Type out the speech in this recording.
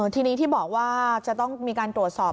ทีนี้ที่บอกว่าจะต้องมีการตรวจสอบ